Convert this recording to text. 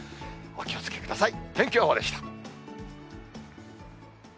お気をつけください。